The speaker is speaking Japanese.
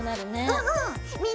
うん！